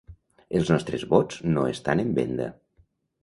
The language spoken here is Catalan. Els nostres vots no estan en venda!